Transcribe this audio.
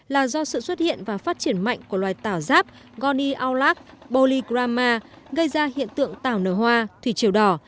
là do sự xuất hiện và phát triển mạnh của loài tảo giáp goni aulac boligrama gây ra hiện tượng tảo nở hoa thủy chiều đỏ